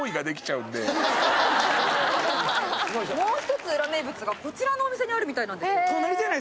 もう１つウラ名物がこちらのお店にあるみたいなんですよ。